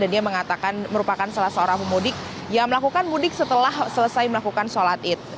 dan dia mengatakan merupakan salah seorang pemudik yang melakukan mudik setelah selesai melakukan sholat id